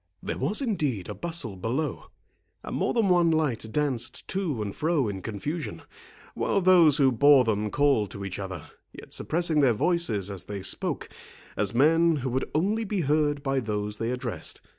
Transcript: There was indeed a bustle below, and more than one light danced to and fro in confusion, while those who bore them called to each other, yet suppressing their voices as they spoke, as men who would only be heard by those they addressed.